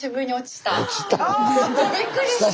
びっくりして。